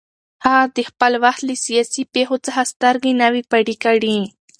هغه د خپل وخت له سیاسي پېښو څخه سترګې نه وې پټې کړې